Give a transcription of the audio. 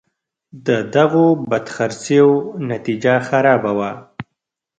د دغو بدخرڅیو نتیجه خرابه وه.